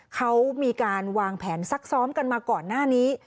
เขามีการวางแผนซักซ้อมกันมาก่อนหน้านี้